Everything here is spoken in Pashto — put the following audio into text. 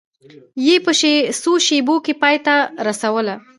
یې په څو شېبو کې پای ته رسوله.